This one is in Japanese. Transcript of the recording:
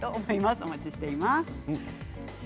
お待ちしています。